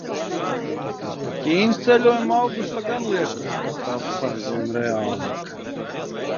Toties par Ķīnas ceļojumu augustā gan liekas, ka tas aizvien reālāk.